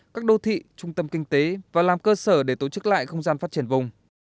các đô thị trung tâm kinh tế và làm cơ sở để tổ chức lại không gian phát triển vùng